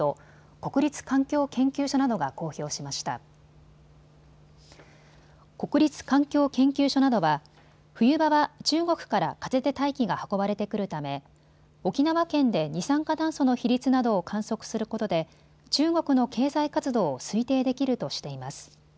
国立環境研究所などは冬場は中国から風で大気が運ばれてくるため沖縄県で二酸化炭素の比率などを観測することで中国の経済活動を推定できるとしています。